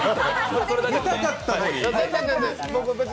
見たかったのに。